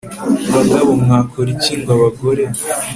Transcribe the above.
Bagabo mwakora iki ngo abagore